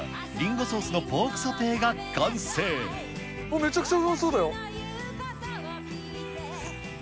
めちゃくちゃうまそうだよ！